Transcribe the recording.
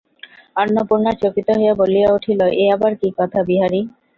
অন্নপূর্ণা চকিত হইয়া বলিয়া উঠিলেন, এ আবার কী কথা বিহারী।